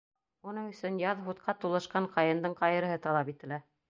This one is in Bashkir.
Уның өсөн яҙ һутҡа тулышҡан ҡайындың ҡайырыһы талап ителә.